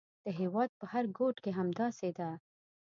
د هېواد په هر ګوټ کې همداسې ده.